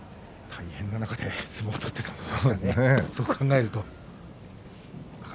大変な中で相撲を取っていたんですね。